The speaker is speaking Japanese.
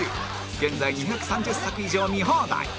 現在２３０作以上見放題！